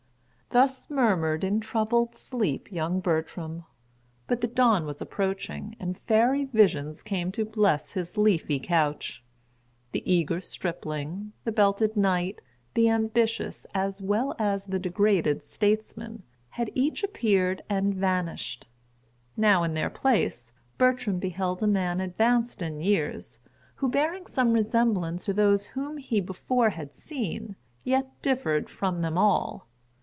Thus murmured in troubled sleep young Bertram; but the dawn was approaching, and fairy visions came to bless his leafy couch. The eager stripling—the belted knight—the ambitious, as well as the degraded statesman—had each appeared and vanished. Now, in their place, Bertram beheld a man advanced in years, who,[Pg 27] bearing some resemblance to those whom he before had seen, yet differed from them all.